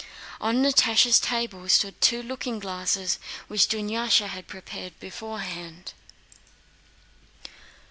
On Natásha's table stood two looking glasses which Dunyásha had prepared beforehand.